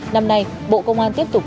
năm nay bộ công an tiếp tục